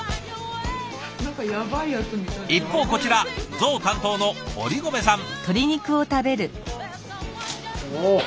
一方こちらゾウ担当の堀籠さん。